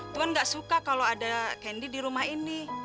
tuhan gak suka kalau ada candy di rumah ini